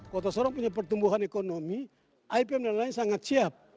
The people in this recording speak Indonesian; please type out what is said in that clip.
kota sorong punya pertumbuhan ekonomi ipm dan lain lain sangat siap